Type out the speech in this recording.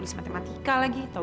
iya kenapa emangnya